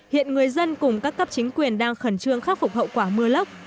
hiện người dân cùng các cấp chính quyền đang khẩn trương khắc phục hậu quả mưa lốc